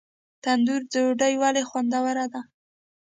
تندور ډوډۍ ولې خوندوره ده؟